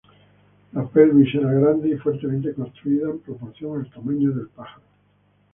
La pelvis era grande y fuertemente construida en proporción al tamaño del pájaro.